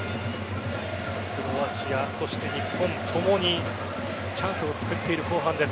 クロアチア、そして日本共にチャンスを作っている後半です。